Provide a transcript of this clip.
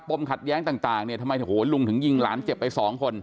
ปมขัดแย้งต่างทำไมลุงถึงยิงหลานเจ็บไป๒คน